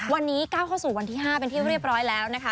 วันนี้ก้าวเข้าสู่วันที่๕เป็นที่เรียบร้อยแล้วนะคะ